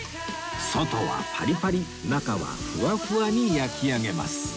外はパリパリ中はふわふわに焼き上げます